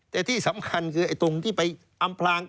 แต่ที่สำคัญคือตรงที่ไปอำพลาง